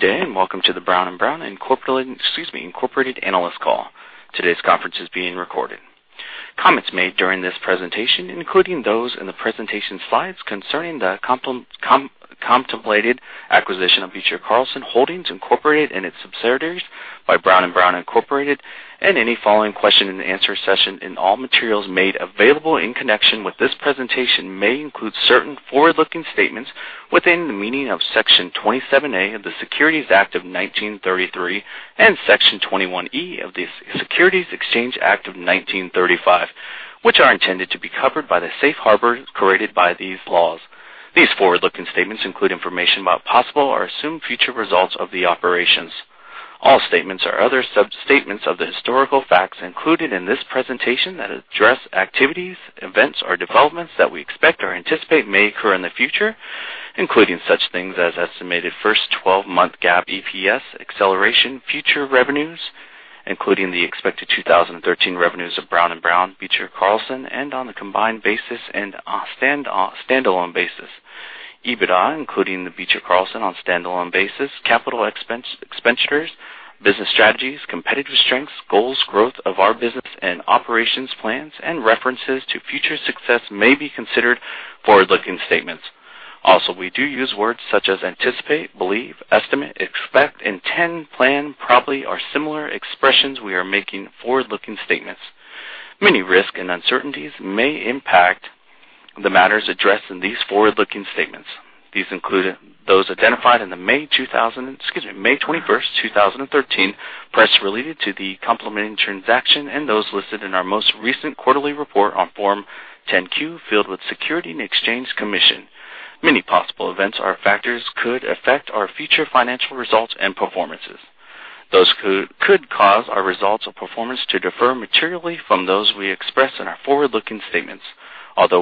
Good day, and welcome to the Brown & Brown Incorporated analyst call. Today's conference is being recorded. Comments made during this presentation, including those in the presentation slides concerning the contemplated acquisition of Beecher Carlson Holdings Incorporated, and its subsidiaries by Brown & Brown Incorporated, and any following question and answer session in all materials made available in connection with this presentation, may include certain forward-looking statements within the meaning of Section 27A of the Securities Act of 1933 and Section 21E of the Securities Exchange Act of 1934, which are intended to be covered by the safe harbors created by these laws. These forward-looking statements include information about possible or assumed future results of the operations. All statements or other sub-statements of the historical facts included in this presentation that address activities, events, or developments that we expect or anticipate may occur in the future, including such things as estimated first 12-month GAAP EPS acceleration, future revenues, including the expected 2013 revenues of Brown & Brown, Beecher Carlson, and on the combined basis and standalone basis. EBITDA, including the Beecher Carlson on standalone basis, capital expenditures, business strategies, competitive strengths, goals, growth of our business and operations plans, and references to future success may be considered forward-looking statements. We do use words such as anticipate, believe, estimate, expect, intend, plan, probably, or similar expressions we are making forward-looking statements. Many risks and uncertainties may impact the matters addressed in these forward-looking statements. These include those identified in the May 21st, 2013, press release related to the complementing transaction and those listed in our most recent quarterly report on Form 10-Q filed with Securities and Exchange Commission. Many possible events or factors could affect our future financial results and performances. Those could cause our results or performance to defer materially from those we express in our forward-looking statements.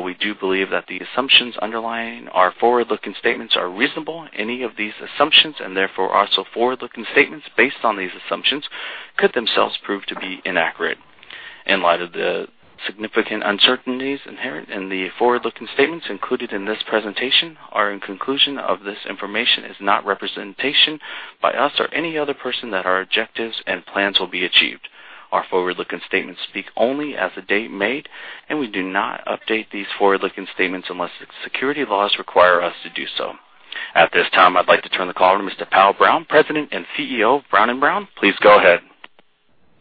We do believe that the assumptions underlying our forward-looking statements are reasonable, any of these assumptions, and therefore also forward-looking statements based on these assumptions, could themselves prove to be inaccurate. In light of the significant uncertainties inherent in the forward-looking statements included in this presentation, our inclusion of this information is not representation by us or any other person that our objectives and plans will be achieved. Our forward-looking statements speak only as the date made, and we do not update these forward-looking statements unless securities laws require us to do so. At this time, I'd like to turn the call over to Mr. Powell Brown, President and CEO of Brown & Brown. Please go ahead.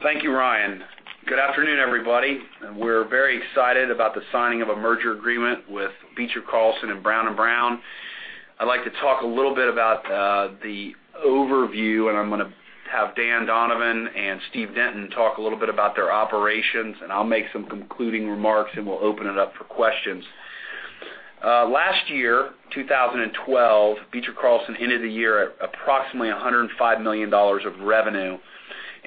Thank you, Ryan. Good afternoon, everybody. We're very excited about the signing of a merger agreement with Beecher Carlson and Brown & Brown. I'd like to talk a little bit about the overview. I'm going to have Dan Donovan and Steve Denton talk a little bit about their operations. I'll make some concluding remarks, and we'll open it up for questions. Last year, 2012, Beecher Carlson ended the year at approximately $105 million of revenue.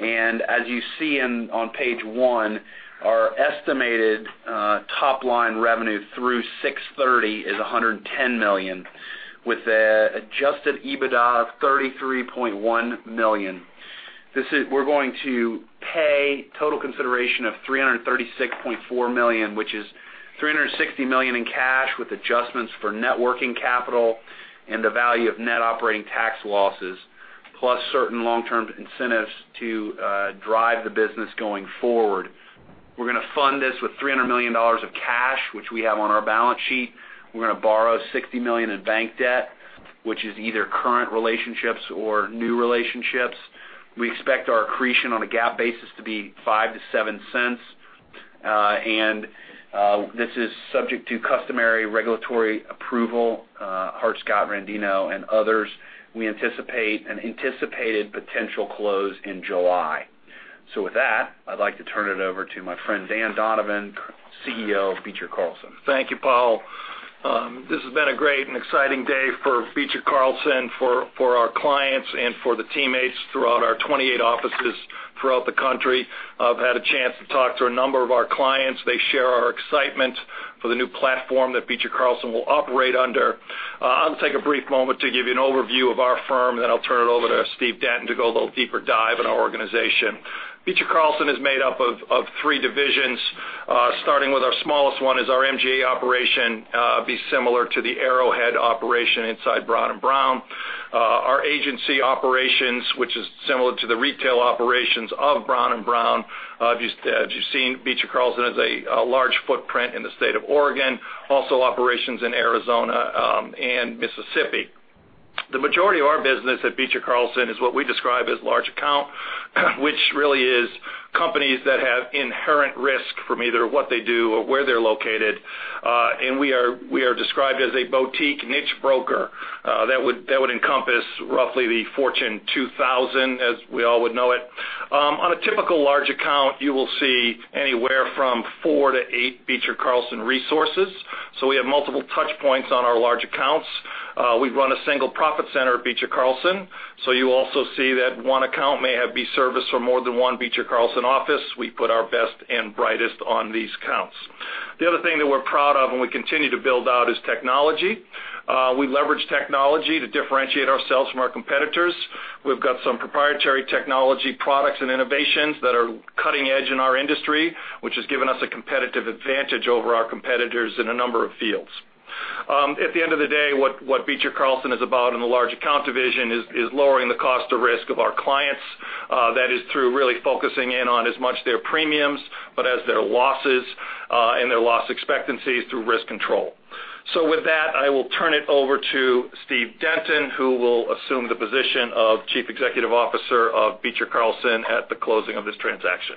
As you see on page one, our estimated top-line revenue through 6/30 is $110 million, with the adjusted EBITDA of $33.1 million. We're going to pay total consideration of $336.4 million, which is $360 million in cash, with adjustments for net working capital and the value of net operating tax losses, plus certain long-term incentives to drive the business going forward. We're going to fund this with $300 million of cash, which we have on our balance sheet. We're going to borrow $60 million in bank debt, which is either current relationships or new relationships. We expect our accretion on a GAAP basis to be $0.05 to $0.07. This is subject to customary regulatory approval, Hart-Scott-Rodino, and others. We anticipate an anticipated potential close in July. With that, I'd like to turn it over to my friend, Dan Donovan, CEO of Beecher Carlson. Thank you, Powell. This has been a great and exciting day for Beecher Carlson, for our clients, and for the teammates throughout our 28 offices throughout the country. I've had a chance to talk to a number of our clients. They share our excitement for the new platform that Beecher Carlson will operate under. I'll take a brief moment to give you an overview of our firm. Then I'll turn it over to Steve Denton to go a little deeper dive in our organization. Beecher Carlson is made up of three divisions. Starting with our smallest one is our MGA operation, be similar to the Arrowhead operation inside Brown & Brown. Our agency operations, which is similar to the retail operations of Brown & Brown. As you've seen, Beecher Carlson has a large footprint in the state of Oregon, also operations in Arizona and Mississippi. The majority of our business at Beecher Carlson is what we describe as large account, which really is companies that have inherent risk from either what they do or where they're located. We are described as a boutique niche broker. That would encompass roughly the Fortune 2000 as we all would know it. On a typical large account, you will see anywhere from four to eight Beecher Carlson resources. We have multiple touch points on our large accounts. We run a single profit center at Beecher Carlson, so you also see that one account may be serviced from more than one Beecher Carlson office. We put our best and brightest on these accounts. The other thing that we're proud of and we continue to build out is technology. We leverage technology to differentiate ourselves from our competitors. We've got some proprietary technology products and innovations that are cutting edge in our industry, which has given us a competitive advantage over our competitors in a number of fields. At the end of the day, what Beecher Carlson is about in the large account division is lowering the cost of risk of our clients. That is through really focusing in on as much their premiums, but as their losses and their loss expectancies through risk control. With that, I will turn it over to Steve Denton, who will assume the position of Chief Executive Officer of Beecher Carlson at the closing of this transaction.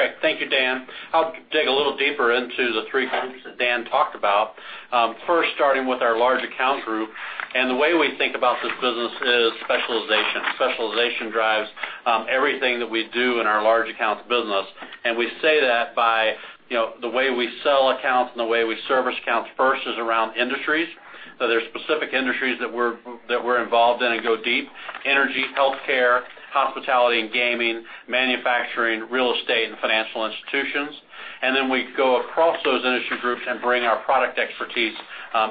Steve? Great. Thank you, Dan. I'll dig a little deeper into the three groups that Dan talked about. First, starting with our large account group, the way we think about this business is specialization. Specialization drives everything that we do in our large accounts business. We say that by the way we sell accounts and the way we service accounts first is around industries. There's specific industries that we're involved in and go deep. Energy, healthcare, hospitality and gaming, manufacturing, real estate, and financial institutions. We go across those industry groups and bring our product expertise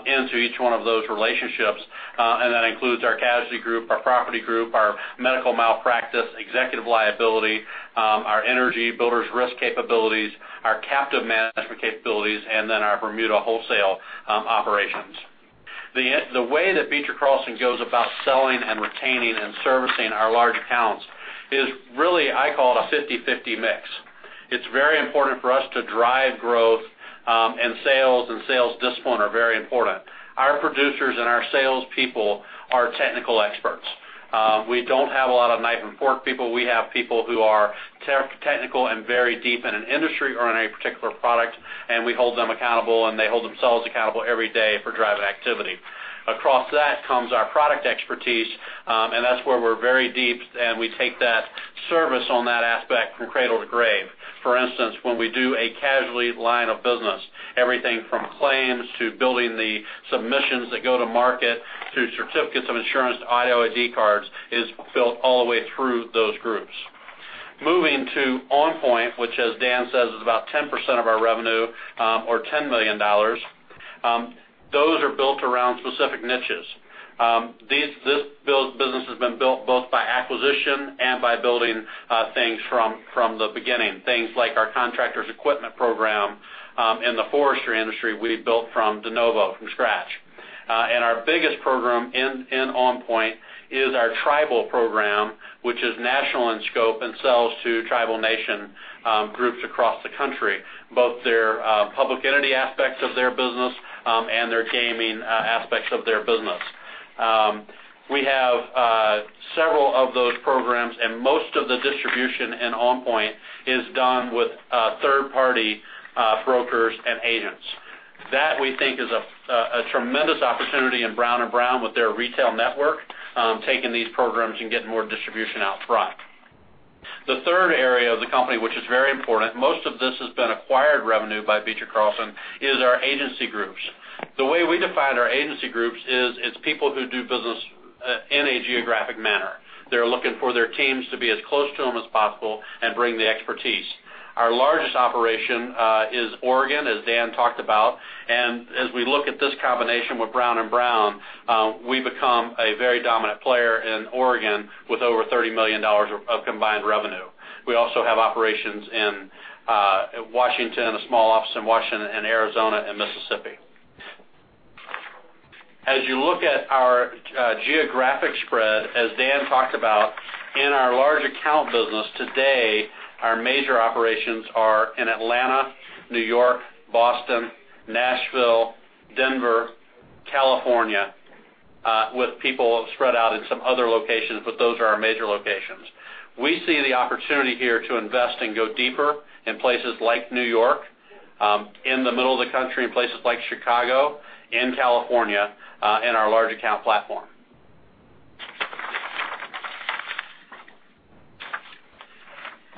into each one of those relationships. That includes our casualty group, our property group, our medical malpractice, executive liability, our energy builders risk capabilities, our captive management capabilities, our Bermuda wholesale operations. The way that Beecher Carlson goes about selling and retaining and servicing our large accounts is really, I call it a 50/50 mix. It's very important for us to drive growth, sales and sales discipline are very important. Our producers and our salespeople are technical experts. We don't have a lot of knife and fork people. We have people who are technical and very deep in an industry or in a particular product, we hold them accountable, they hold themselves accountable every day for driving activity. Across that comes our product expertise, that's where we're very deep, we take that service on that aspect from cradle to grave. For instance, when we do a casualty line of business, everything from claims to building the submissions that go to market, to certificates of insurance, to ID cards, is built all the way through those groups. Moving to OnPoint, which as Dan says, is about 10% of our revenue, or $10 million. Those are built around specific niches. This business has been built both by acquisition and by building things from the beginning, things like our contractors equipment program in the forestry industry we built from de novo, from scratch. Our biggest program in OnPoint is our tribal program, which is national in scope sells to tribal nation groups across the country, both their public entity aspects of their business, their gaming aspects of their business. We have several of those programs, most of the distribution in OnPoint is done with third-party brokers and agents. That, we think, is a tremendous opportunity in Brown & Brown with their retail network, taking these programs getting more distribution out front. The third area of the company, which is very important, most of this has been acquired revenue by Beecher Carlson, is our agency groups. The way we define our agency groups is, it's people who do business in a geographic manner. They're looking for their teams to be as close to them as possible and bring the expertise. Our largest operation is Oregon, as Dan talked about. As we look at this combination with Brown & Brown, we become a very dominant player in Oregon with over $30 million of combined revenue. We also have operations in Washington, a small office in Washington and Arizona and Mississippi. As you look at our geographic spread, as Dan talked about, in our large account business today, our major operations are in Atlanta, New York, Boston, Nashville, Denver, California, with people spread out in some other locations, but those are our major locations. We see the opportunity here to invest and go deeper in places like New York, in the middle of the country, in places like Chicago and California in our large account platform.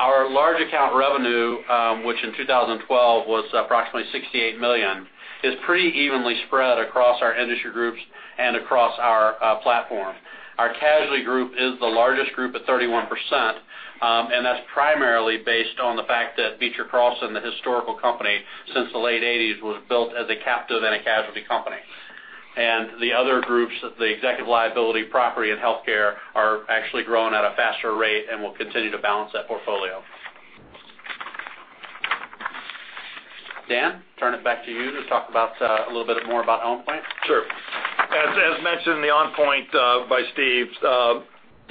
Our large account revenue, which in 2012 was approximately $68 million, is pretty evenly spread across our industry groups and across our platform. Our casualty group is the largest group at 31%. That's primarily based on the fact that Beecher Carlson, the historical company, since the late '80s, was built as a captive and a casualty company. The other groups, the executive liability, property, and healthcare, are actually growing at a faster rate and will continue to balance that portfolio. Dan, turn it back to you to talk a little bit more about OnPoint. Sure. As mentioned in the OnPoint by Steve, a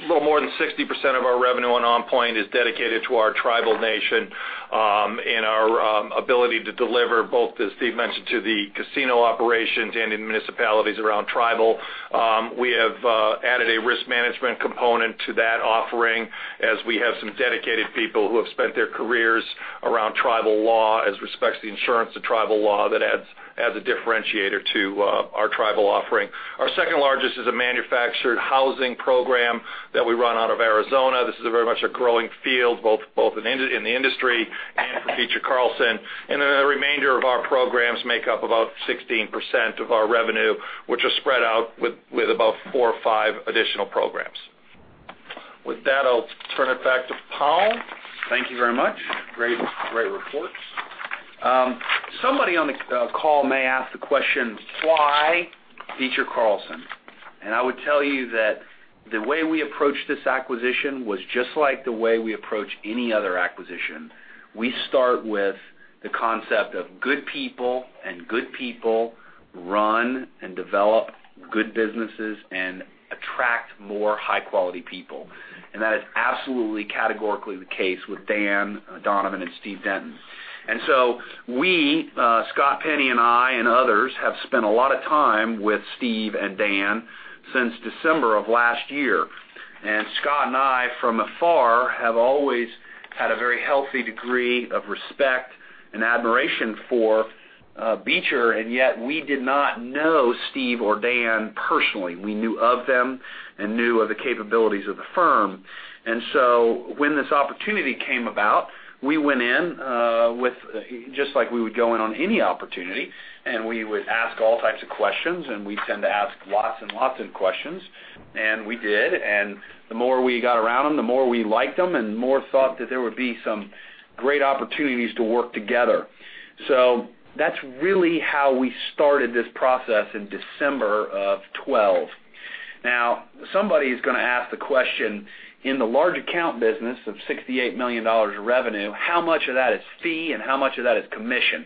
little more than 60% of our revenue in OnPoint is dedicated to our tribal nation, and our ability to deliver both, as Steve mentioned, to the casino operations and in municipalities around tribal. We have added a risk management component to that offering as we have some dedicated people who have spent their careers around tribal law as respects to the insurance of tribal law. That adds a differentiator to our tribal offering. Our second largest is a manufactured housing program that we run out of Arizona. This is very much a growing field, both in the industry and for Beecher Carlson. Then the remainder of our programs make up about 16% of our revenue, which is spread out with about four or five additional programs. With that, I'll turn it back to Powell. Thank you very much. Great reports. Somebody on the call may ask the question, why Beecher Carlson? I would tell you that the way we approach this acquisition was just like the way we approach any other acquisition. We start with the concept of good people. Good people run and develop good businesses and attract more high-quality people. That is absolutely, categorically the case with Dan Donovan and Steve Denton. We, Scott Penny and I and others, have spent a lot of time with Steve and Dan since December of last year. Scott and I, from afar, have always had a very healthy degree of respect and admiration for Beecher, and yet we did not know Steve or Dan personally. We knew of them and knew of the capabilities of the firm. When this opportunity came about, we went in, just like we would go in on any opportunity. We would ask all types of questions. We tend to ask lots and lots of questions. We did. The more we got around them, the more we liked them. The more thought that there would be some great opportunities to work together. That's really how we started this process in December of 2012. Now somebody's going to ask the question, in the large account business of $68 million revenue, how much of that is fee and how much of that is commission?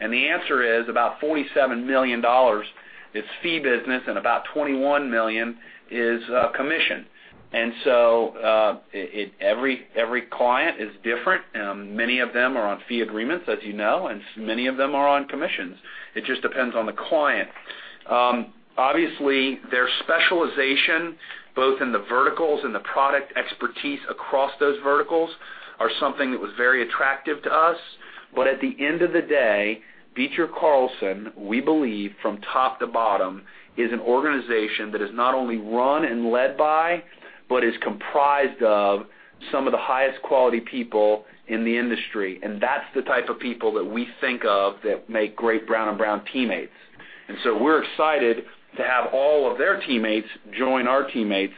The answer is, about $47 million is fee business and about $21 million is commission. Every client is different. Many of them are on fee agreements, as you know. Many of them are on commissions. It just depends on the client. Obviously, their specialization, both in the verticals and the product expertise across those verticals, are something that was very attractive to us. At the end of the day, Beecher Carlson, we believe from top to bottom, is an organization that is not only run and led by, but is comprised of some of the highest quality people in the industry. That's the type of people that we think of that make great Brown & Brown teammates. We're excited to have all of their teammates join our teammates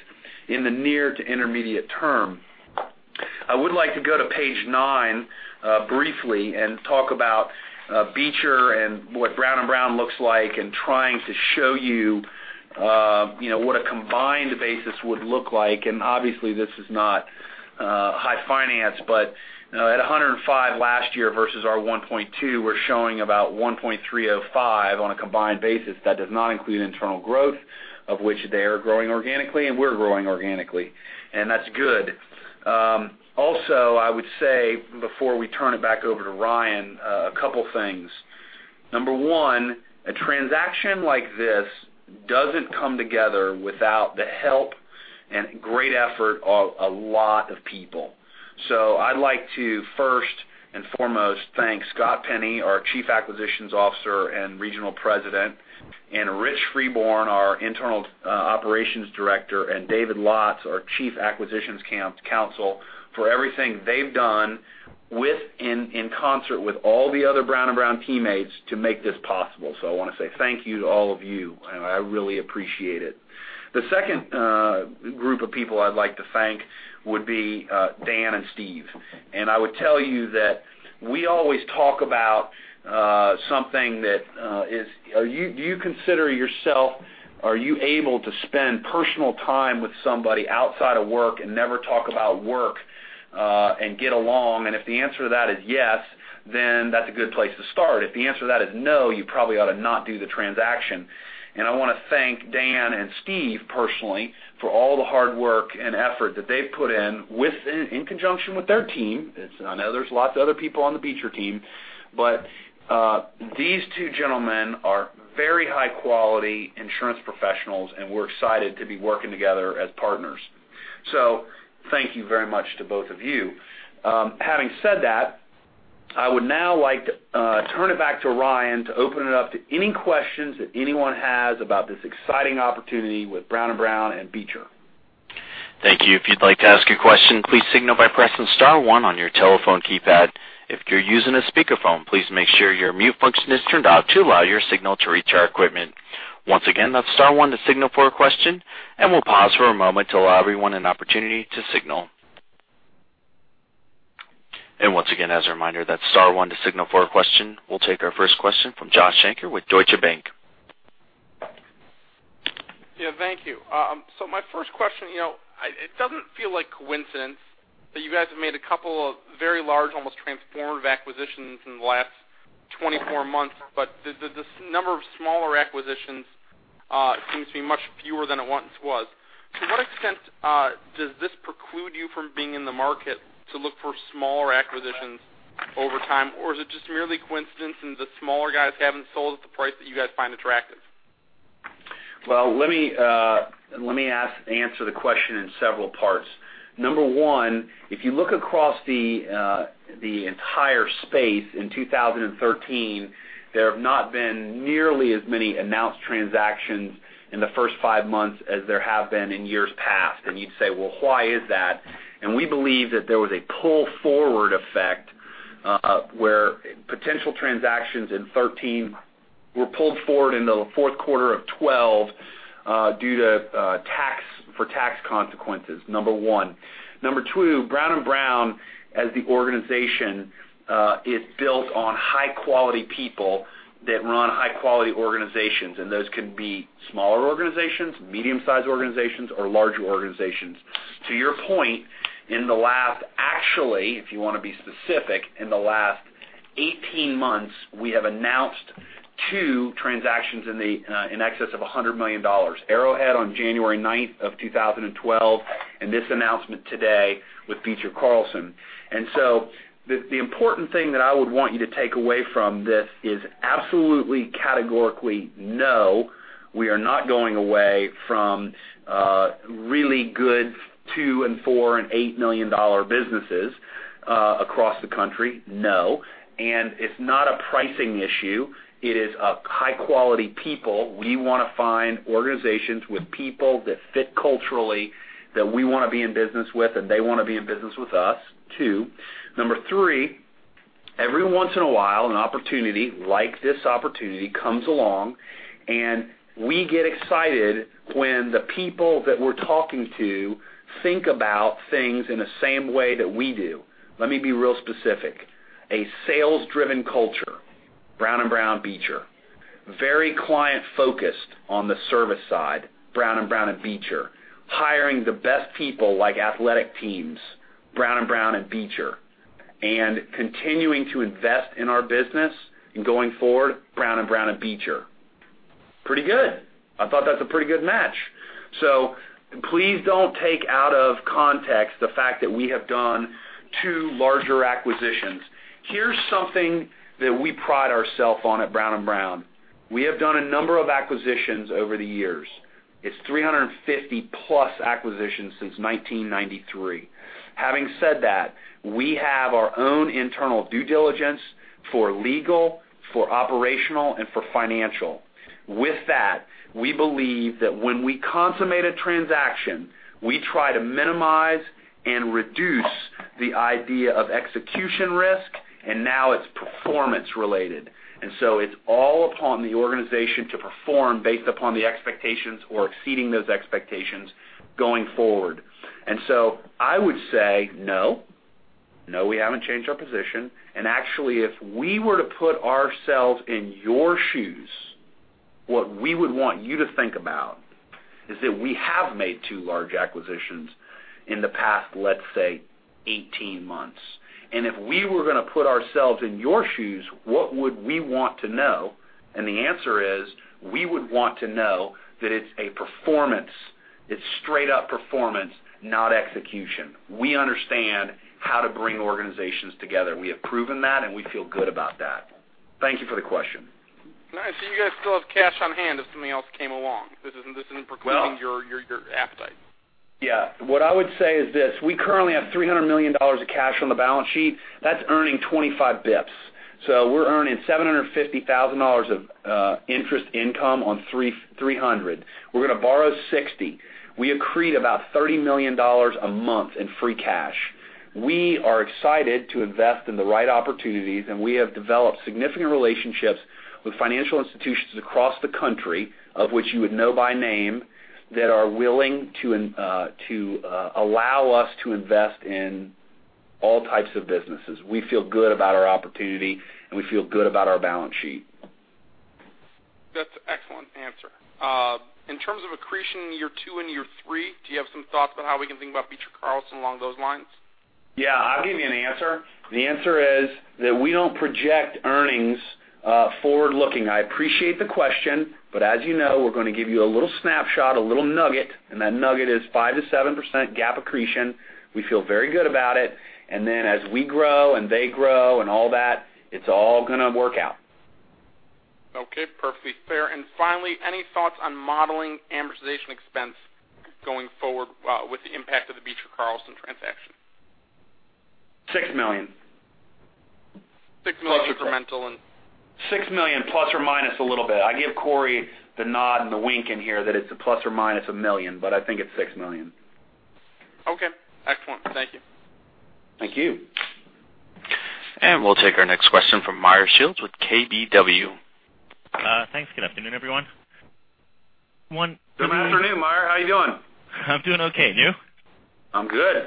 in the near to intermediate term. I would like to go to page nine, briefly. Talk about Beecher and what Brown & Brown looks like. Trying to show you what a combined basis would look like. Obviously, this is not high finance, but at 105 last year versus our 1.2, we're showing about 1.305 on a combined basis. That does not include internal growth, of which they are growing organically and we're growing organically, and that's good. I would say, before we turn it back over to Ryan, a couple things. Number one, a transaction like this doesn't come together without the help and great effort of a lot of people. I'd like to first and foremost thank Scott Penny, our Chief Acquisitions Officer and Regional President, Rich Freeborn, our Internal Operations Director, and David Lotts, our Chief Acquisitions Counsel, for everything they've done in concert with all the other Brown & Brown teammates to make this possible. I want to say thank you to all of you, and I really appreciate it. The second group of people I'd like to thank would be Dan and Steve. I would tell you that we always talk about something that is, are you able to spend personal time with somebody outside of work and never talk about work, and get along? If the answer to that is yes, then that's a good place to start. If the answer to that is no, you probably ought to not do the transaction. I want to thank Dan and Steve personally for all the hard work and effort that they've put in conjunction with their team. I know there's lots of other people on the Beecher team. These two gentlemen are very high quality insurance professionals, and we're excited to be working together as partners. Thank you very much to both of you. Having said that, I would now like to turn it back to Ryan to open it up to any questions that anyone has about this exciting opportunity with Brown & Brown and Beecher. Thank you. If you'd like to ask a question, please signal by pressing star one on your telephone keypad. If you're using a speakerphone, please make sure your mute function is turned off to allow your signal to reach our equipment. Once again, that's star one to signal for a question, and we'll pause for a moment to allow everyone an opportunity to signal. Once again, as a reminder, that's star one to signal for a question. We'll take our first question from Joshua Shanker with Deutsche Bank. Yeah, thank you. My first question. It doesn't feel like coincidence that you guys have made a couple of very large, almost transformative acquisitions in the last 24 months, but the number of smaller acquisitions seems to be much fewer than it once was. To what extent does this preclude you from being in the market to look for smaller acquisitions over time? Or is it just merely coincidence and the smaller guys haven't sold at the price that you guys find attractive? Let me answer the question in several parts. Number one, if you look across the entire space in 2013, there have not been nearly as many announced transactions in the first five months as there have been in years past. You'd say, "Well, why is that?" We believe that there was a pull-forward effect, where potential transactions in 2013 were pulled forward into the fourth quarter of 2012 due to tax For tax consequences, number one. Number two, Brown & Brown as the organization, is built on high-quality people that run high-quality organizations, and those can be smaller organizations, medium-sized organizations, or larger organizations. To your point, in the last, actually, if you want to be specific, in the last 18 months, we have announced two transactions in excess of $100 million. Arrowhead on January 9th of 2012, and this announcement today with Beecher Carlson. The important thing that I would want you to take away from this is absolutely, categorically, no, we are not going away from really good $2 and $4 and $8 million businesses across the country. No. It's not a pricing issue. It is high-quality people. We want to find organizations with people that fit culturally, that we want to be in business with, and they want to be in business with us, two. Number three, every once in a while, an opportunity like this opportunity comes along, and we get excited when the people that we're talking to think about things in the same way that we do. Let me be real specific. A sales-driven culture, Brown & Brown, Beecher. Very client-focused on the service side, Brown & Brown and Beecher. Hiring the best people like athletic teams, Brown & Brown and Beecher. Continuing to invest in our business and going forward, Brown & Brown and Beecher. Pretty good. I thought that's a pretty good match. Please don't take out of context the fact that we have done two larger acquisitions. Here's something that we pride ourself on at Brown & Brown. We have done a number of acquisitions over the years. It's 350-plus acquisitions since 1993. Having said that, we have our own internal due diligence for legal, for operational, and for financial. With that, we believe that when we consummate a transaction, we try to minimize and reduce the idea of execution risk, and now it's performance related. It's all upon the organization to perform based upon the expectations or exceeding those expectations going forward. I would say, no. No, we haven't changed our position. Actually, if we were to put ourselves in your shoes, what we would want you to think about is that we have made two large acquisitions in the past, let's say, 18 months. If we were going to put ourselves in your shoes, what would we want to know? The answer is, we would want to know that it's a performance. It's straight up performance, not execution. We understand how to bring organizations together. We have proven that, and we feel good about that. Thank you for the question. Nice. You guys still have cash on hand if something else came along. This isn't precluding your appetite. What I would say is this. We currently have $300 million of cash on the balance sheet. That's earning 25 basis points. We're earning $750,000 of interest income on 300. We're going to borrow 60. We accrete about $30 million a month in free cash. We are excited to invest in the right opportunities, and we have developed significant relationships with financial institutions across the country, of which you would know by name, that are willing to allow us to invest in all types of businesses. We feel good about our opportunity, and we feel good about our balance sheet. That's an excellent answer. In terms of accretion in year two and year three, do you have some thoughts about how we can think about Beecher Carlson along those lines? Yeah, I'll give you an answer. The answer is that we don't project earnings forward-looking. I appreciate the question, but as you know, we're going to give you a little snapshot, a little nugget, and that nugget is 5%-7% GAAP accretion. We feel very good about it. As we grow and they grow and all that, it's all going to work out. Okay. Perfectly fair. Finally, any thoughts on modeling amortization expense going forward with the impact of the Beecher Carlson transaction? $6 million. $6 million incremental. $6 million ± a little bit. I give Cory the nod and the wink in here that it's a ±$1 million, but I think it's $6 million. Okay. Excellent. Thank you. Thank you. We'll take our next question from Meyer Shields with KBW. Thanks. Good afternoon, everyone. Good afternoon, Meyer. How are you doing? I'm doing okay. You? I'm good.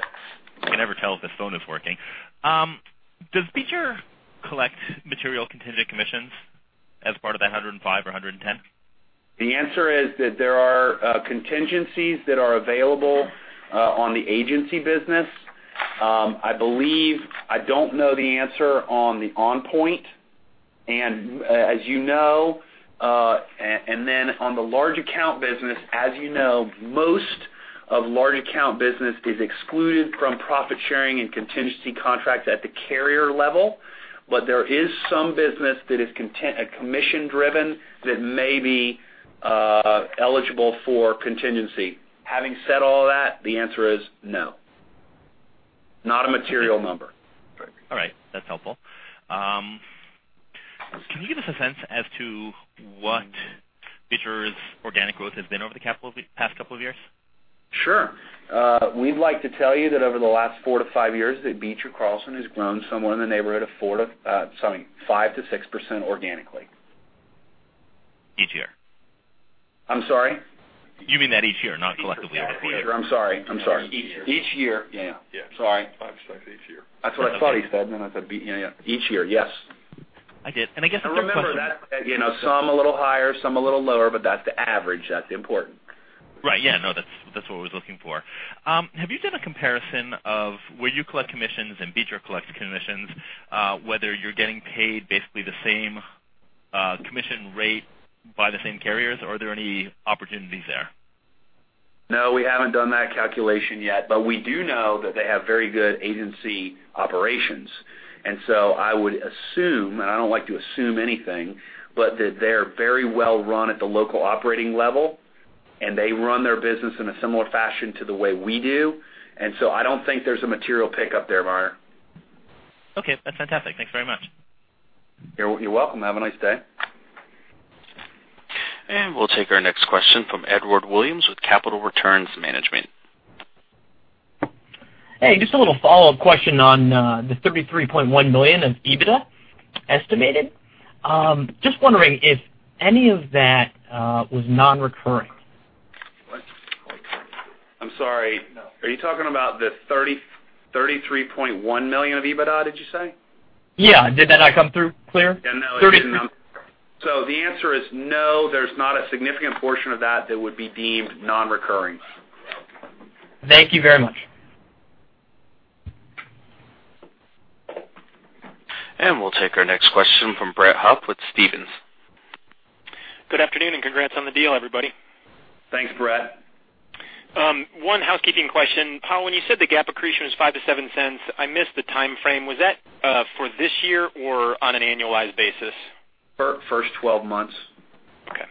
I can never tell if this phone is working. Does Beecher collect material contingent commissions as part of that 105 or 110? The answer is that there are contingencies that are available on the agency business. I believe I don't know the answer on the OnPoint. On the large account business, as you know, most of large account business is excluded from profit sharing and contingency contracts at the carrier level. There is some business that is commission-driven that may be eligible for contingency. Having said all that, the answer is no. Not a material number. All right. That's helpful. Can you give us a sense as to what Beecher's organic growth has been over the past couple of years? Sure. We'd like to tell you that over the last four to five years, that Beecher Carlson has grown somewhere in the neighborhood of five%-six% organically. Each year. I'm sorry? You mean that each year, not collectively? Each year, I'm sorry. Each year. Yeah. Yeah. Sorry. [$0.05] each year. That's what I thought he said, then I said, yeah. Each year, yes. I did. Remember that, some a little higher, some a little lower, but that's the average. That's important. Right. Yeah, no, that's what I was looking for. Have you done a comparison of where you collect commissions and Beecher collects commissions, whether you're getting paid basically the same commission rate by the same carriers? Are there any opportunities there? We haven't done that calculation yet. We do know that they have very good agency operations. I would assume, I don't like to assume anything, but that they're very well-run at the local operating level, and they run their business in a similar fashion to the way we do. I don't think there's a material pickup there, Meyer. Okay. That's fantastic. Thanks very much. You're welcome. Have a nice day. We'll take our next question from Edward Williams with Capital Returns Management. Hey, just a little follow-up question on the $33.1 million of EBITDA estimated. Just wondering if any of that was non-recurring. I'm sorry. Are you talking about the $33.1 million of EBITDA, did you say? Yeah. Did that not come through clear? No. The answer is no, there's not a significant portion of that that would be deemed non-recurring. Thank you very much. We'll take our next question from Brett Huff with Stephens. Good afternoon. Congrats on the deal, everybody. Thanks, Brett. One housekeeping question. Paul, when you said the GAAP accretion was $0.05-$0.07, I missed the timeframe. Was that for this year or on an annualized basis? First 12 months. Okay.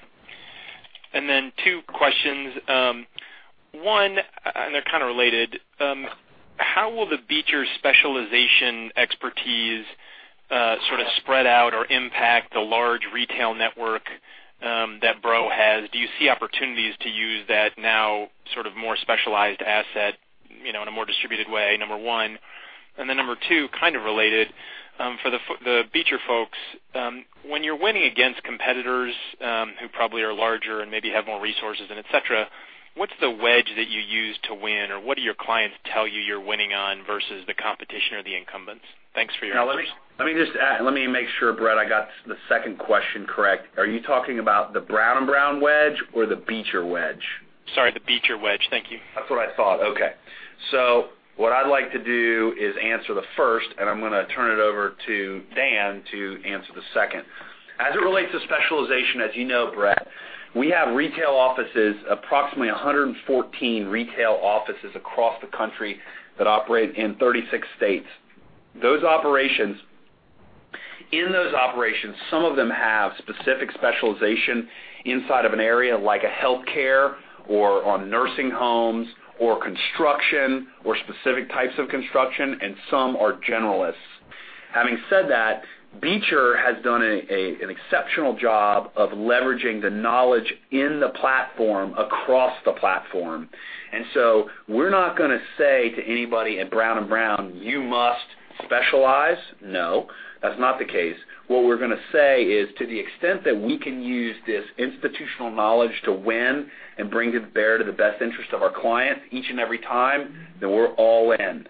Two questions. One, they're kind of related, how will the Beecher specialization expertise sort of spread out or impact the large retail network that Brown has? Do you see opportunities to use that now sort of more specialized asset, in a more distributed way, number one? Number two, kind of related, for the Beecher folks, when you're winning against competitors who probably are larger and maybe have more resources and et cetera, what's the wedge that you use to win or what do your clients tell you you're winning on versus the competition or the incumbents? Thanks for your input. Let me make sure, Brett, I got the second question correct. Are you talking about the Brown & Brown wedge or the Beecher wedge? Sorry, the Beecher wedge. Thank you. That's what I thought. Okay. What I'd like to do is answer the first, and I'm going to turn it over to Dan to answer the second. As it relates to specialization, as you know, Brett, we have retail offices, approximately 114 retail offices across the country that operate in 36 states. In those operations, some of them have specific specialization inside of an area like a healthcare or on nursing homes or construction or specific types of construction, and some are generalists. Having said that, Beecher has done an exceptional job of leveraging the knowledge in the platform across the platform. We're not going to say to anybody at Brown & Brown, "You must specialize." No, that's not the case. What we're going to say is to the extent that we can use this institutional knowledge to win and bring to bear to the best interest of our clients each and every time, then we're all in.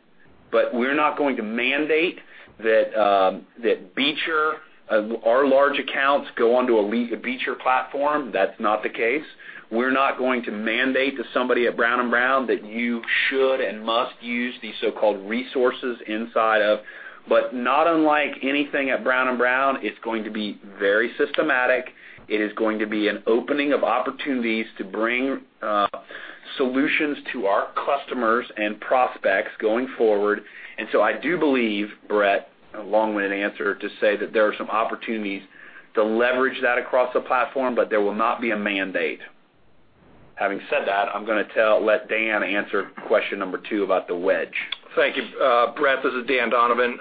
We're not going to mandate that Beecher, our large accounts, go onto a Beecher platform. That's not the case. We're not going to mandate to somebody at Brown & Brown that you should and must use these so-called resources inside of. Not unlike anything at Brown & Brown, it's going to be very systematic. It is going to be an opening of opportunities to bring solutions to our customers and prospects going forward. I do believe, Brett, long-winded answer, to say that there are some opportunities to leverage that across the platform, but there will not be a mandate. Having said that, I'm going to let Dan answer question number 2 about the wedge. Thank you, Brett. This is Dan Donovan.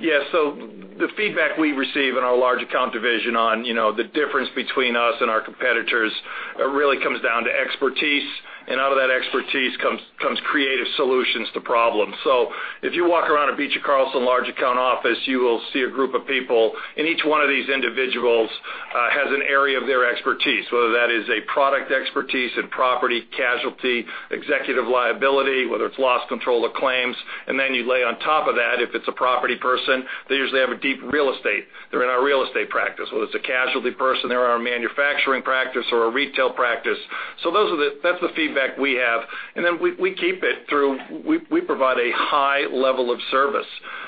Yeah. The feedback we receive in our large account division on the difference between us and our competitors really comes down to expertise, and out of that expertise comes creative solutions to problems. If you walk around a Beecher Carlson large account office, you will see a group of people, and each one of these individuals has an area of their expertise, whether that is a product expertise in property, casualty, executive liability, whether it's loss control or claims. You lay on top of that, if it's a property person, they usually have a deep real estate. They're in our real estate practice. Whether it's a casualty person, they're in our manufacturing practice or a retail practice. That's the feedback we have. We keep it through, we provide a high level of service.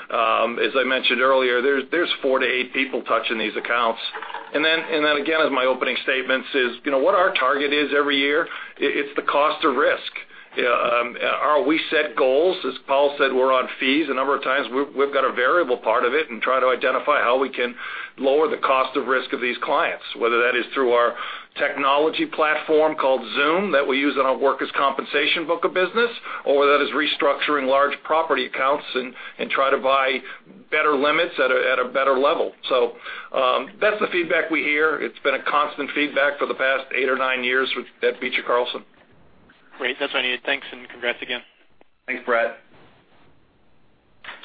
As I mentioned earlier, there's four to eight people touching these accounts. Again, as my opening statements is, what our target is every year, it's the cost of risk. We set goals. As Powell said, we're on fees. A number of times, we've got a variable part of it and try to identify how we can lower the cost of risk of these clients, whether that is through our technology platform called Zoom that we use in our workers' compensation book of business, or whether that is restructuring large property accounts and try to buy better limits at a better level. That's the feedback we hear. It's been a constant feedback for the past eight or nine years at Beecher Carlson. Great. That's what I needed. Thanks, and congrats again. Thanks, Brett.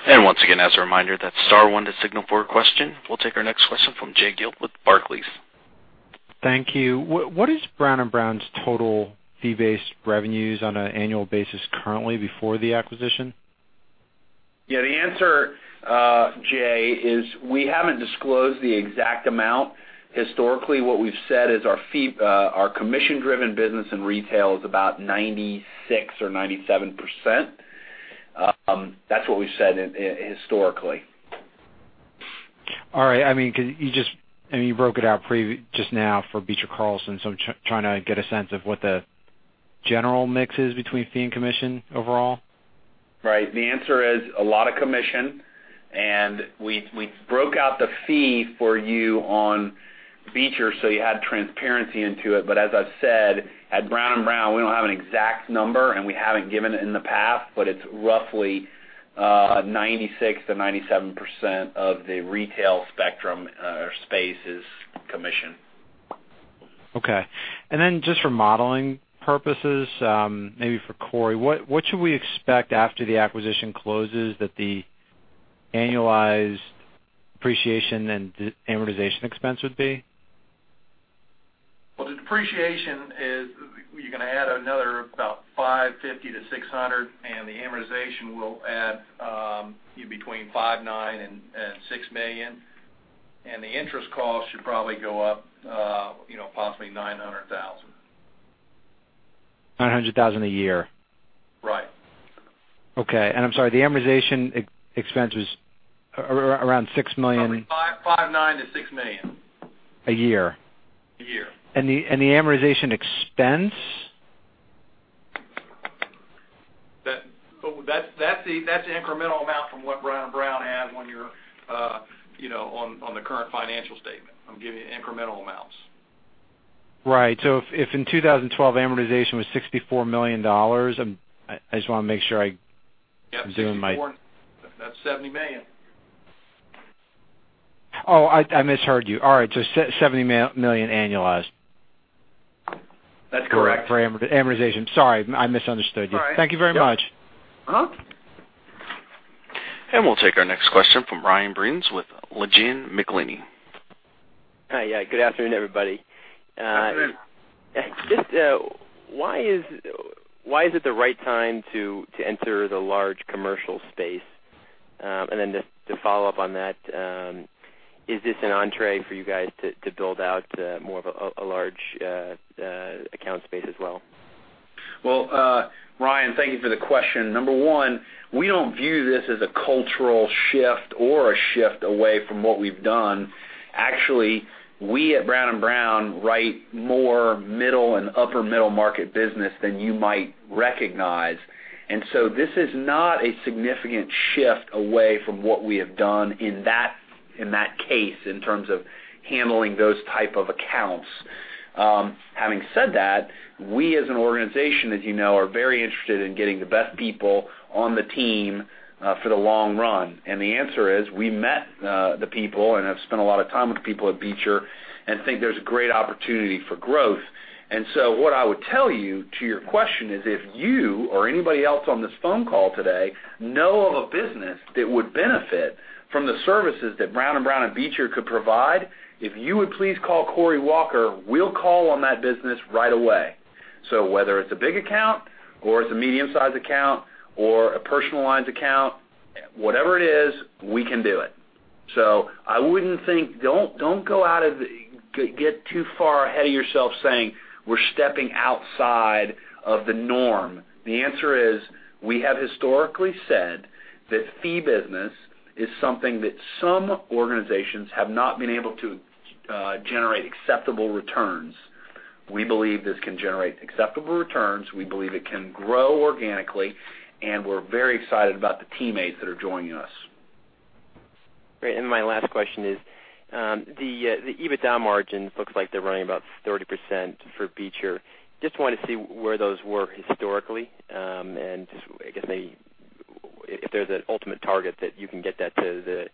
Once again, as a reminder, that's star one to signal for a question. We'll take our next question from Jay Gelb with Barclays. Thank you. What is Brown & Brown's total fee-based revenues on an annual basis currently before the acquisition? Yeah, the answer, Jay, is we haven't disclosed the exact amount. Historically, what we've said is our commission-driven business and retail is about 96% or 97%. That's what we've said historically. All right. You broke it out just now for Beecher Carlson, so I'm trying to get a sense of what the general mix is between fee and commission overall. Right. The answer is a lot of commission, and we broke out the fee for you on Beecher so you had transparency into it. As I've said, at Brown & Brown, we don't have an exact number, and we haven't given it in the past, but it's roughly 96%-97% of the retail spectrum or space is commission. Okay. Just for modeling purposes, maybe for Cory, what should we expect after the acquisition closes that the annualized depreciation and amortization expense would be? Well, the depreciation is, you're going to add another about $550-$600, and the amortization will add between $5.9 million-$6 million. The interest cost should probably go up possibly $900,000. $900,000 a year? Right. Okay. I'm sorry, the amortization expense was around $6 million. Probably $5.9 million to $6 million. A year. A year. The amortization expense? That's the incremental amount from what Brown & Brown has on the current financial statement. I'm giving you incremental amounts. Right. If in 2012 amortization was $64 million, I just want to make sure. Yes. I'm doing my That's $70 million. Oh, I misheard you. All right, $70 million annualized. That's correct. For amortization. Sorry, I misunderstood you. All right. Thank you very much. We'll take our next question from Ryan Bryns with Langen McAlenney Hi. Good afternoon, everybody. Afternoon. Just why is it the right time to enter the large commercial space? Then just to follow up on that, is this an entrée for you guys to build out more of a large account space as well? Well, Ryan, thank you for the question. Number one, we don't view this as a cultural shift or a shift away from what we've done. Actually, we at Brown & Brown write more middle and upper middle market business than you might recognize. So this is not a significant shift away from what we have done in that case, in terms of handling those type of accounts. Having said that, we as an organization, as you know, are very interested in getting the best people on the team for the long run. The answer is, we met the people and have spent a lot of time with the people at Beecher and think there's a great opportunity for growth. So what I would tell you to your question is if you or anybody else on this phone call today know of a business that would benefit from the services that Brown & Brown and Beecher could provide, if you would please call Cory Walker, we'll call on that business right away. Whether it's a big account or it's a medium-sized account or a personal lines account, whatever it is, we can do it. Don't get too far ahead of yourself saying we're stepping outside of the norm. The answer is, we have historically said that fee business is something that some organizations have not been able to generate acceptable returns. We believe this can generate acceptable returns. We believe it can grow organically, and we're very excited about the teammates that are joining us. Great. My last question is, the EBITDA margin looks like they're running about 30% for Beecher. Just wanted to see where those were historically, and if there's an ultimate target that you can get that to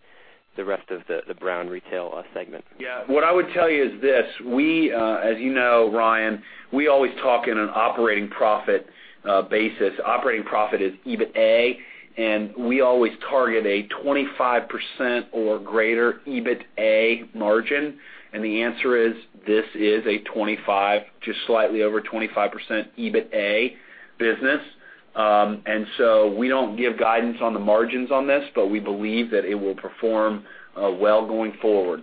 the rest of the Brown retail segment. Yeah. What I would tell you is this. As you know, Ryan, we always talk in an operating profit basis. Operating profit is EBITA, we always target a 25% or greater EBITA margin. The answer is, this is a 25% to slightly over 25% EBITA business. We don't give guidance on the margins on this, but we believe that it will perform well going forward.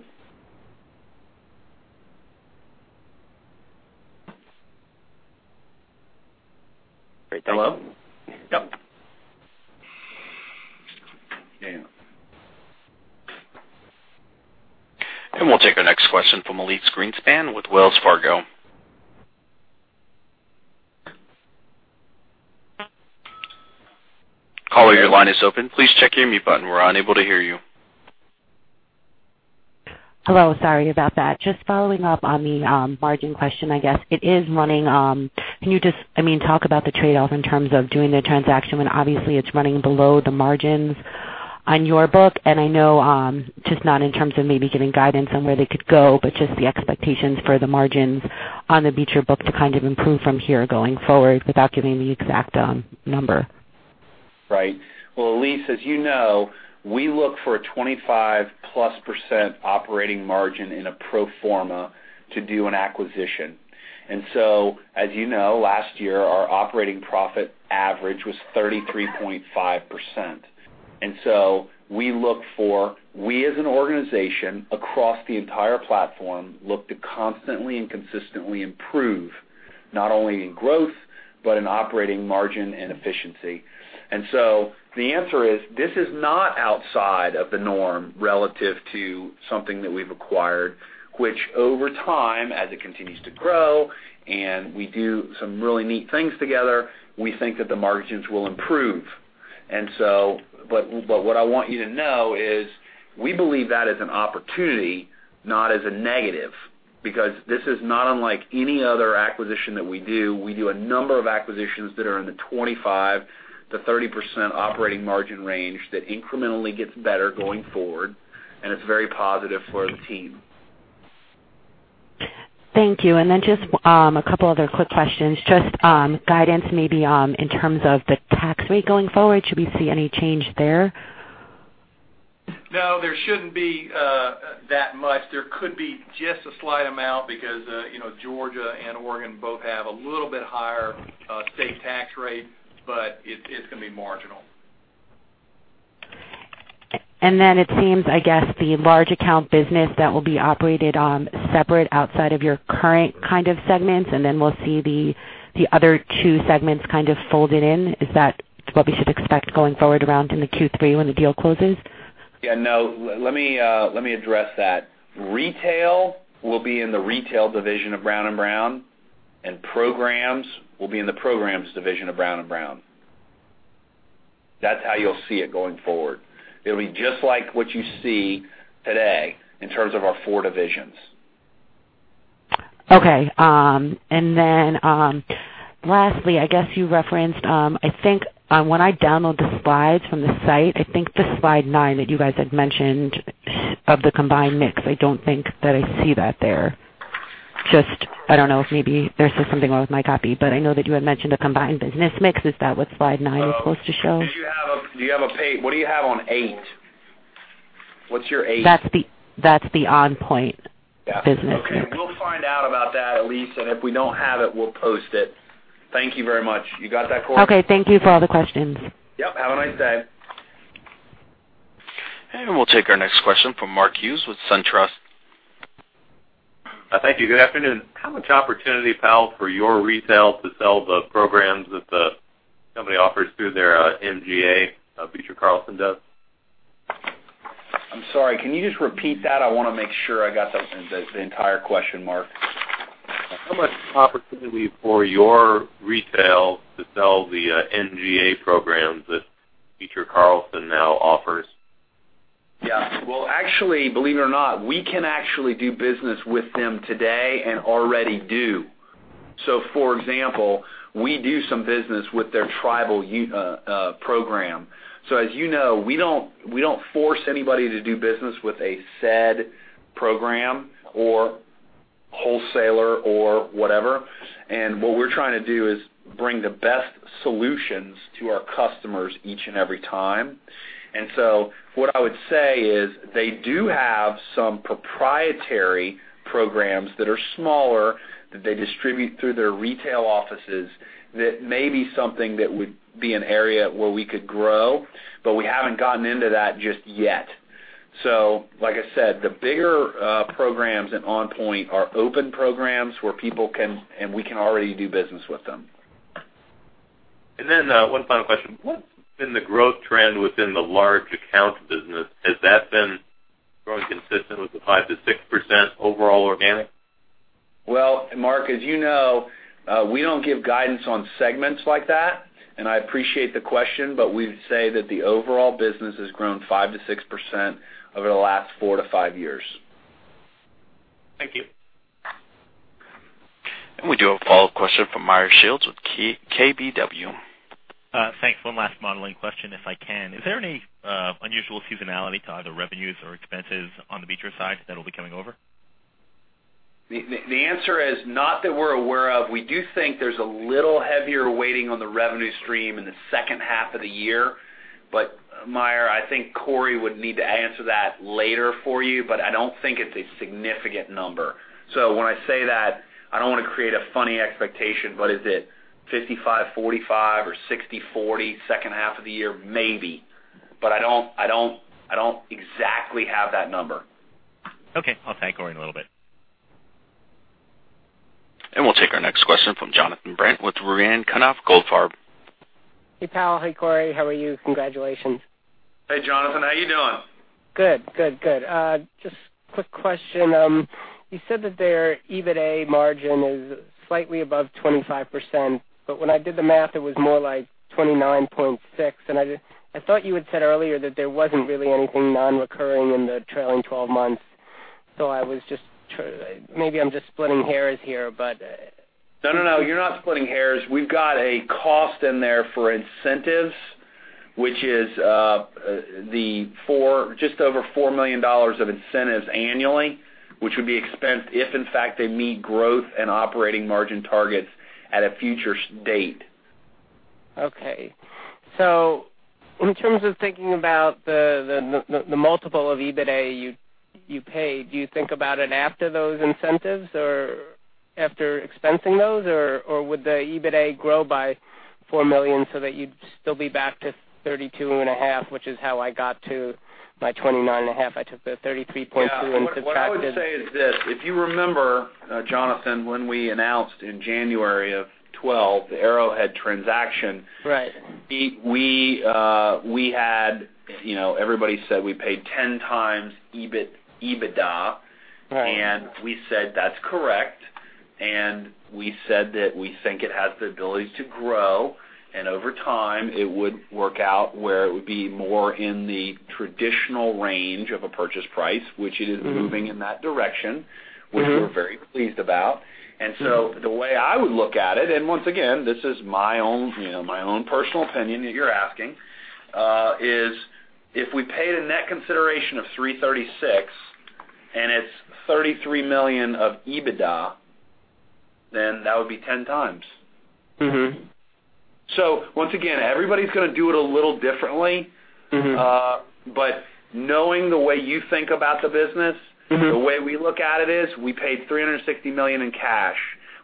Great. Thank you. Hello? Yep. We'll take our next question from Elyse Greenspan with Wells Fargo. Caller, your line is open. Please check your mute button. We're unable to hear you. Hello. Sorry about that. Just following up on the margin question, I guess. Can you just talk about the trade-off in terms of doing the transaction when obviously it's running below the margins on your book? I know, just not in terms of maybe giving guidance on where they could go, but just the expectations for the margins on the Beecher Carlson book to kind of improve from here going forward without giving the exact number. Right. Well, Elyse Greenspan, as you know, we look for a 25+% operating margin in a pro forma to do an acquisition. As you know, last year, our operating profit average was 33.5%. We as an organization, across the entire platform, look to constantly and consistently improve not only in growth, but in operating margin and efficiency. The answer is, this is not outside of the norm relative to something that we've acquired, which over time, as it continues to grow and we do some really neat things together, we think that the margins will improve. What I want you to know is we believe that is an opportunity, not as a negative, because this is not unlike any other acquisition that we do. We do a number of acquisitions that are in the 25%-30% operating margin range that incrementally gets better going forward, it's very positive for the team. Thank you. Just a couple other quick questions. Just guidance, maybe, in terms of the tax rate going forward. Should we see any change there? No, there shouldn't be that much. There could be just a slight amount because Georgia and Oregon both have a little bit higher state tax rate, but it's going to be marginal. It seems, I guess, the large account business that will be operated on separate outside of your current kind of segments, we'll see the other two segments kind of folded in. Is that what we should expect going forward around in the Q3 when the deal closes? Yeah, no. Let me address that. Retail will be in the Retail division of Brown & Brown, Programs will be in the Programs division of Brown & Brown. That's how you'll see it going forward. It'll be just like what you see today in terms of our four divisions. Okay. Lastly, I guess you referenced, I think when I download the slides from the site, I think the slide nine that you guys had mentioned of the combined mix, I don't think that I see that there. Just, I don't know if maybe there's just something wrong with my copy, I know that you had mentioned a combined business mix. Is that what slide nine is supposed to show? What do you have on eight? What's your eight? That's the OnPointe business. Okay. We'll find out about that, Elyse, if we don't have it, we'll post it. Thank you very much. You got that, Cory? Okay. Thank you for all the questions. Yep, have a nice day. We'll take our next question from Mark Hughes with SunTrust. Thank you. Good afternoon. How much opportunity, Powell, for your retail to sell the programs that the company offers through their MGA, Beecher Carlson does? I'm sorry, can you just repeat that? I want to make sure I got the entire question, Mark. How much opportunity for your retail to sell the MGA programs that Beecher Carlson now offers? Well, actually, believe it or not, we can actually do business with them today and already do. For example, we do some business with their tribal program. As you know, we don't force anybody to do business with a said program or wholesaler or whatever. What we're trying to do is bring the best solutions to our customers each and every time. What I would say is they do have some proprietary programs that are smaller, that they distribute through their retail offices. That may be something that would be an area where we could grow, but we haven't gotten into that just yet. Like I said, the bigger programs in OnPointe are open programs where people can, and we can already do business with them. One final question. What's been the growth trend within the large account business? Has that been growing consistent with the 5%-6% overall organic? Mark, as you know, we don't give guidance on segments like that, and I appreciate the question, but we'd say that the overall business has grown 5%-6% over the last four to five years. Thank you. We do have a follow-up question from Meyer Shields with KBW. Thanks. One last modeling question, if I can. Is there any unusual seasonality to either revenues or expenses on the Beecher side that'll be coming over? The answer is not that we're aware of. We do think there's a little heavier waiting on the revenue stream in the second half of the year. Meyer, I think Cory would need to answer that later for you, but I don't think it's a significant number. When I say that, I don't want to create a funny expectation, but is it 55/45 or 60/40 second half of the year? Maybe, but I don't exactly have that number. Okay. I'll tag Cory in a little bit. We'll take our next question from Jonathan Brandt with Ruane, Cunniff & Goldfarb. Hey, Powell. Hey, Corey. How are you? Congratulations. Hey, Jonathan. How you doing? Good. Just quick question. You said that their EBITA margin is slightly above 25%, but when I did the math, it was more like 29.6, and I thought you had said earlier that there wasn't really anything non-recurring in the trailing 12 months. Maybe I'm just splitting hairs here, but No, you're not splitting hairs. We've got a cost in there for incentives, which is just over $4 million of incentives annually, which would be expensed if in fact they meet growth and operating margin targets at a future date. Okay. In terms of thinking about the multiple of EBITA you paid, do you think about it after those incentives or after expensing those, or would the EBITA grow by $4 million so that you'd still be back to 32.5, which is how I got to my 29.5? I took the 33.2 and subtracted. Yeah. What I would say is this. If you remember, Jonathan, when we announced in January of 2012, the Arrowhead transaction. Right Everybody said we paid 10 times EBITDA. Right. We said, "That's correct." We said that we think it has the ability to grow, over time, it would work out where it would be more in the traditional range of a purchase price, which it is moving in that direction. which we're very pleased about. The way I would look at it, once again, this is my own personal opinion that you're asking, is if we paid a net consideration of $336 and it's $33 million of EBITDA, that would be 10 times. Once again, everybody's going to do it a little differently. Knowing the way you think about the business The way we look at it is we paid $360 million in cash.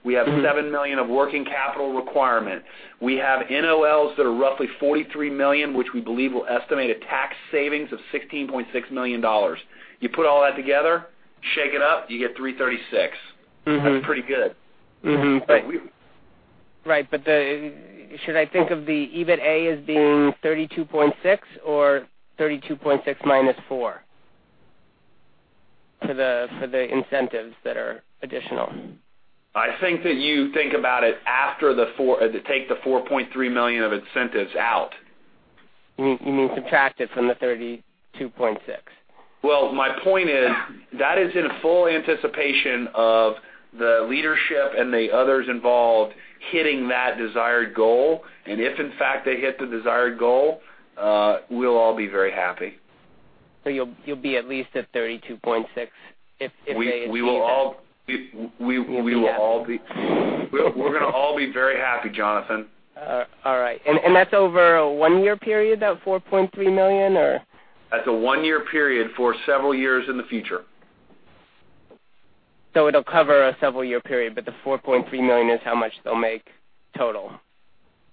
We have $7 million of working capital requirements. We have NOLs that are roughly $43 million, which we believe will estimate a tax savings of $16.6 million. You put all that together, shake it up, you get $336. That's pretty good. Right. Should I think of the EBITA as being $32.6 or $32.6 minus $4 for the incentives that are additional? I think that you think about it after take the $4.3 million of incentives out. You mean subtract it from the $32.6? Well, my point is that is in full anticipation of the leadership and the others involved hitting that desired goal. If, in fact, they hit the desired goal, we'll all be very happy. You'll be at least at $32.6 if they achieve that. We're going to all be very happy, Jonathan. That's over a one-year period, that $4.3 million, or? That's a one-year period for several years in the future. It'll cover a several year period, but the $4.3 million is how much they'll make total.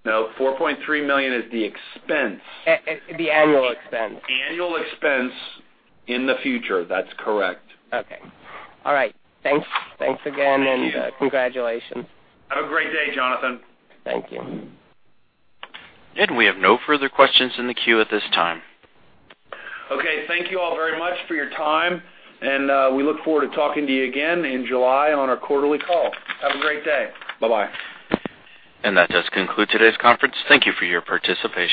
No, $4.3 million is the expense. The annual expense. Annual expense in the future. That's correct. Okay. All right. Thanks again. Thank you. Congratulations. Have a great day, Jonathan. Thank you. We have no further questions in the queue at this time. Okay. Thank you all very much for your time, and we look forward to talking to you again in July on our quarterly call. Have a great day. Bye-bye That does conclude today's conference. Thank you for your participation